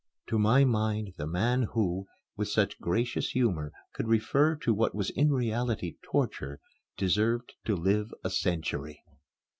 To my mind, the man who, with such gracious humor, could refer to what was in reality torture deserved to live a century.